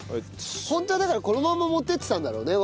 本当はだからこのまま持っていってたんだろうね